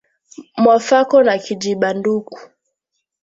Mwafako na kiji ba nduku